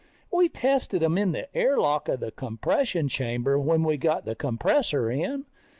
We tested them in the air lock of the compression chamber when we got the compressor in.